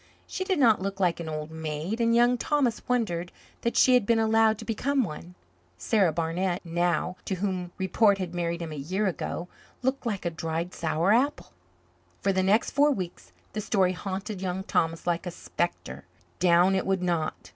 She did not look like an old maid, and Young Thomas wondered that she had been allowed to become one. Sarah Barnett, now, to whom report had married him a year ago, looked like a dried sour apple. For the next four weeks the story haunted Young Thomas like a spectre. Down it would not.